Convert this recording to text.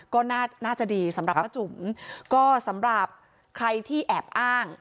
ก็น่าจะดีสำหรับป้าจุ๋มก็สำหรับใครที่แอบอ้าง